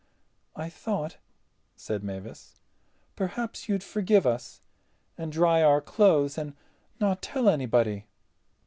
"I thought," said Mavis, "perhaps you'd forgive us, and dry our clothes, and not tell anybody."